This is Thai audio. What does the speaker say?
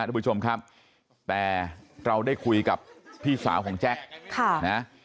ทุกผู้ชมครับแต่เราได้คุยกับพี่สาวของแจ๊คค่ะนะ